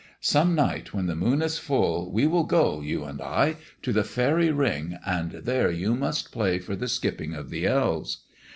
Some night, when the moon is full, we will go — you and I — to the faery ring, and there you must play for the skipping of the elves."